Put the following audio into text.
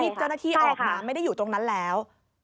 เจ้าหน้าที่ออกมาไม่ได้อยู่ตรงนั้นแล้ว